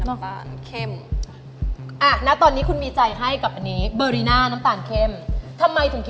แต่ว่าจะเป็นคนละแบรนด์คนละยี่ห้อค่ะ